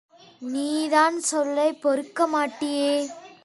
நீதான் சொல்லப் பொறுக்க மாட்டியே!